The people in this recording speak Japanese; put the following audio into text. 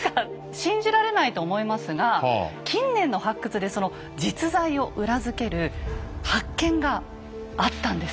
信じられないと思いますが近年の発掘でその実在を裏付ける発見があったんです。